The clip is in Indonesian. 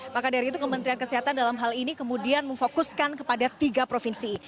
maka dari itu kementerian kesehatan dalam hal ini kemudian memfokuskan kepada tiga provinsi